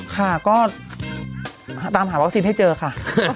ค่ะก็ตามหาวัคซีนให้เจอค่ะ